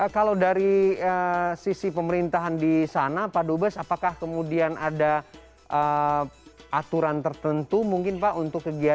kalau dari sisi pemerintahan di sana pak dubes apakah kemudian ada aturan tertentu mungkin pak untuk kegiatan